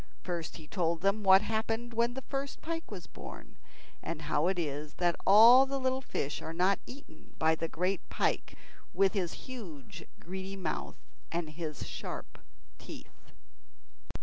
First he told them what happened when the first pike was born, and how it is that all the little fish are not eaten by the great pike with his huge greedy mouth and his sharp teeth.